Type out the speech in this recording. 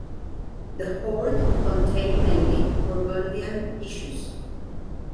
The hoard contained mainly Burgundian issues.